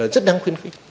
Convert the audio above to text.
rất đáng khuyên khích